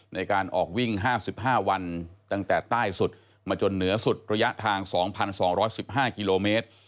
ในการออกวิ่ง๕๕วันตั้งแต่ใต้สุดมาจนเหนือสุดระยะทาง๒๒๑๕กิโลเมตร